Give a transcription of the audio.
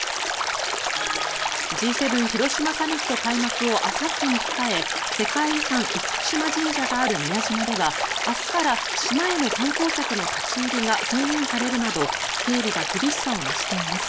Ｇ７広島サミット開幕をあさってに控え世界遺産・厳島神社がある宮島では明日から島への観光客の立ち入りが制限されるなど警備が厳しさを増しています。